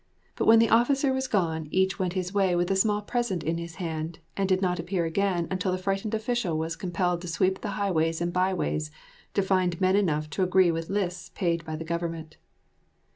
But when the officer was gone each went his way with a small present in his hand and did not appear again until the frightened official was compelled to sweep the highways and byways to find men enough to agree with lists paid by the government.